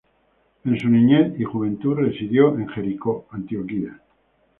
En su niñez y juventud residió en Jericó, Antioquia.